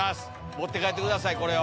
持って帰ってくださいこれを。